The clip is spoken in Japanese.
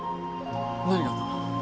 何があったんだ？